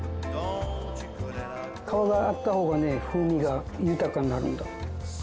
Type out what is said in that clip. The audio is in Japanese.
皮があった方がね風味が豊かになるんだ。